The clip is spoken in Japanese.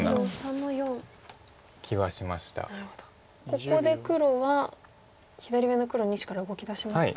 ここで黒は左上の黒２子から動きだしますか。